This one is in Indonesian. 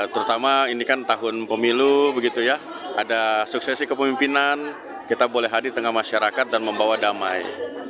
terutama ini kan tahun pemilu begitu ya ada suksesi kepemimpinan kita boleh hadir di tengah masyarakat dan membawa damai